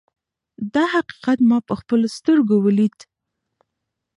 دا حقیقت ما په خپلو سترګو ولید.